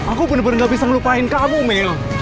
aku bener bener nggak bisa ngelupain kamu mel